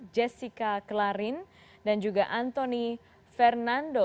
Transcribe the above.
jessica klarin dan juga antoni fernando